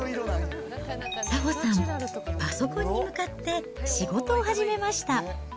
早穂さん、パソコンに向かって仕事を始めました。